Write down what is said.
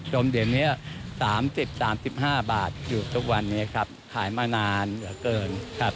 มเดี๋ยวนี้๓๐๓๕บาทอยู่ทุกวันนี้ครับขายมานานเหลือเกินครับ